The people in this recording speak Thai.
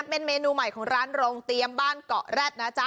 เป็นเมนูใหม่ของร้านรองเตียมบ้านเกาะแร็ด